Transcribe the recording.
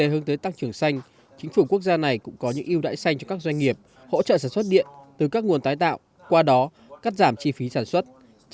để hướng tới tăng trưởng xanh chính phủ quốc gia này cũng có những ưu đãi xanh cho các doanh nghiệp hỗ trợ sản xuất điện từ các nguồn tái tạo qua đó cắt giảm chi phí sản xuất